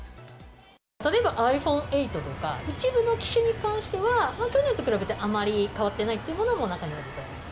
例えば、ｉＰｈｏｎｅ８とか、一部の機種に関しては、去年と比べて、あまり変わってないっていうものも中にはございます。